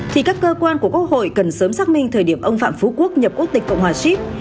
thì các cơ quan của quốc hội cần sớm xác minh thời điểm ông phạm phú quốc nhập quốc tịch cộng hòa xíp